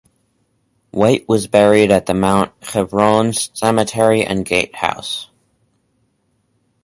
Wight was buried at the Mount Hebron Cemetery and Gatehouse.